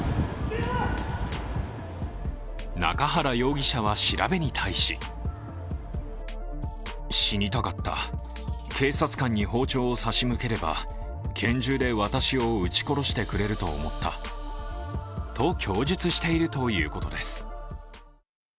中原容疑者は調べに対しと、供述しているということです。